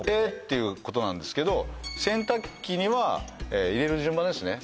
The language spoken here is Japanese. ていうことなんですけど洗濯機には入れる順番ですね